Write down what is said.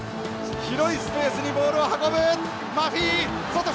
広いスペースにボールを運ぶ！